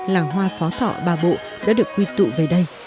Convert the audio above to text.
làng hoa phó thọ ba bộ đã được quy tụ về đây